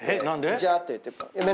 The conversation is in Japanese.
何で？